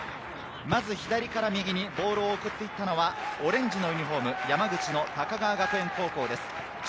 まず左から右にボールを送っていったのはオレンジのユニホーム、山口の高川学園高校です。